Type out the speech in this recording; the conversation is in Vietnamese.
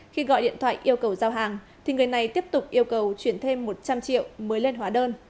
khi gọi điện thoại yêu cầu giao hàng thì người này tiếp tục yêu cầu chuyển thêm một trăm linh triệu mới lên hóa đơn